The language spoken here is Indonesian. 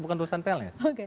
bukan urusan pln